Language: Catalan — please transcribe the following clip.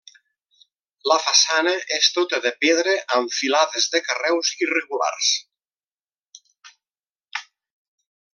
La façana és tota de pedra amb filades de carreus irregulars.